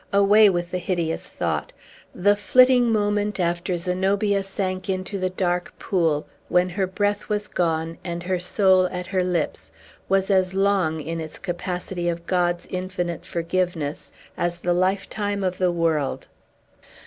Away with the hideous thought. The flitting moment after Zenobia sank into the dark pool when her breath was gone, and her soul at her lips was as long, in its capacity of God's infinite forgiveness, as the lifetime of the world!